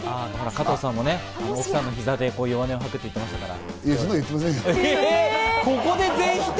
加藤さんも奥さんの膝で弱音を吐くって言ってましたから。